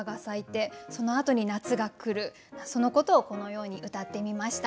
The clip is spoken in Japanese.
そのことをこのように歌ってみました。